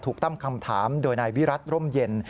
ตั้งคำถามโดยนายวิรัติร่มเย็น